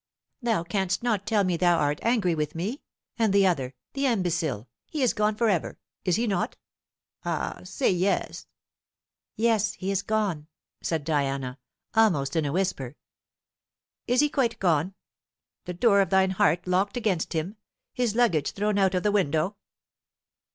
"Thou canst not tell me thou art angry with me. And the other the imbecile; he is gone for ever, is he not? Ah, say yes!" "Yes, he is gone," said Diana, almost in a whisper. "Is he quite gone? The door of thine heart locked against him, his luggage thrown out of the window?"